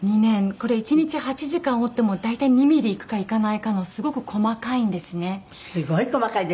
これ１日８時間織っても大体２ミリいくかいかないかのすごく細かいんですね。